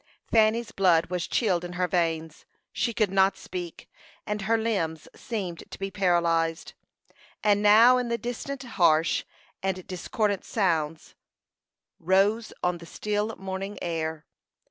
Fanny's blood was chilled in her veins; she could not speak, and her limbs seemed to be paralyzed. And now in the distance harsh and discordant sounds rose on the still morning air.